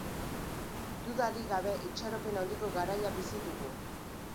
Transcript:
Dudarik gabe, itxaropen handiko garaia bizi dugu.